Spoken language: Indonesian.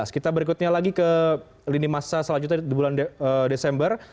kita berikutnya lagi ke lini masa selanjutnya di bulan desember